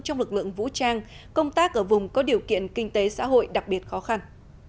trong lực lượng vũ trang công tác ở vùng có điều kiện kinh tế xã hội đặc biệt khó khăn